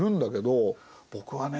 僕はね